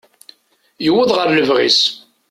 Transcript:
Yuweḍ ɣer lebɣi-s.